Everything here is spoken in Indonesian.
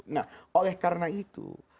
nah oleh karena itu